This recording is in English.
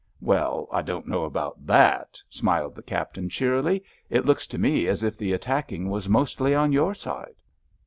"Well, I don't know about that!" smiled the Captain, cheerily; "it looks to me as if the attacking was mostly on your side."